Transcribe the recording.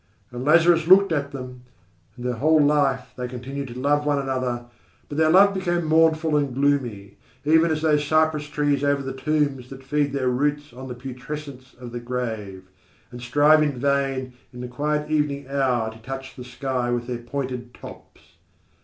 And Lazarus looked at them. And their whole life they continued to love one another, but their love became mournful and gloomy, even as those cypress trees over the tombs that feed their roots on the putrescence of the grave, and strive in vain in the quiet evening hour to touch the sky with their pointed tops.